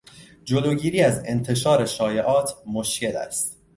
جلوگیری از انتشار شایعات مشکل است.